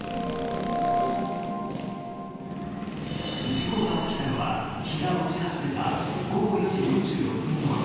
事故が起きたのは日が落ち始めた午後４時４６分ごろ。